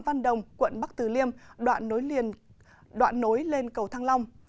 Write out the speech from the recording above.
văn đồng quận bắc từ liêm đoạn nối lên cầu thăng long